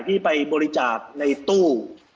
ที่ไปบริจาคในตู้